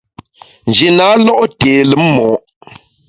Nji na lo’ té lùm mo’.